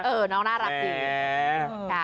น้องน่ารักดี